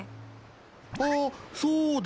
あっそうだ！